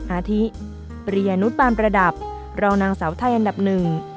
อาทิริยนุษย์ปานประดับรองนางสาวไทยอันดับหนึ่ง